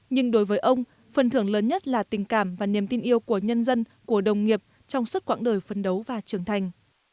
nhưng đối với ông phần thưởng lớn nhất là tình cảm và niềm tin yêu của nhân dân của đồng nghiệp trong suốt quãng đời phấn đấu và trưởng thành